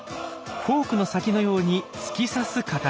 フォークの先のように突き刺す形。